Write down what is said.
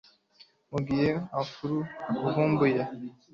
Mugihe akura akavumbura